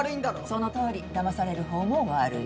そのとおりだまされるほうも悪い。